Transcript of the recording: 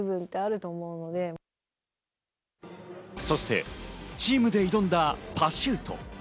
そしてチームで挑んだパシュート。